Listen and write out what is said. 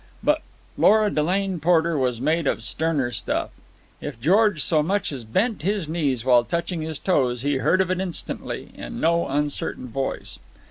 But Lora Delane Porter was made of sterner stuff. If George so much as bent his knees while touching his toes he heard of it instantly, in no uncertain voice.